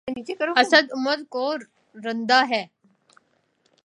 اسد عمر تو کارندہ ہے۔